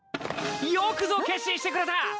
よくぞ決心してくれた！